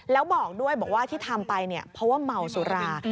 แล้วบอกด้วยบอกว่าที่ทำไปเนี่ยเพราะว่าเมาสุรา